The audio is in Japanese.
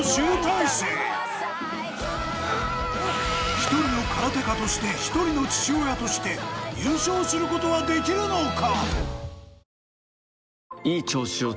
１人の空手家として１人の父親として優勝することはできるのか？